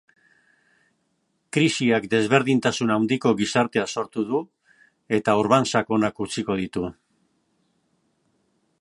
Krisiak desberdintasun handiko gizartea sortu du, eta orban sakonak utziko ditu.